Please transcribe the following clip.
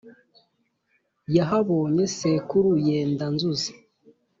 yahabonye sekuru yenda-nzuzi,